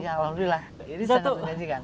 alhamdulillah ini sangat menjanjikan